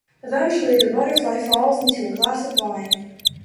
Eventually the butterfly falls into a glass of wine.